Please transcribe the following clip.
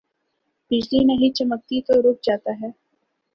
بجلی نہیں چمکتی تو رک جاتا ہے۔